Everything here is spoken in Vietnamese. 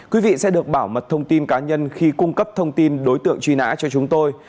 quý vị sẽ được bảo mật thông tin cá nhân khi cung cấp thông tin đối tượng truy nã cho chúng tôi